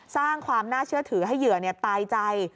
สร้างความน่าเชื่อถือให้เหยื่อตายใจ